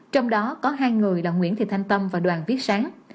trong đó có hai người là nguyễn thị thanh tâm và đoàn viết sáng